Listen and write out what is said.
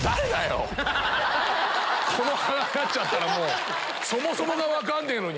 この鼻になったらそもそもが分かんねえのに。